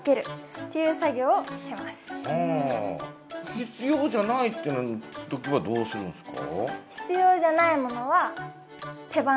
必要じゃないってときはどうするんですか？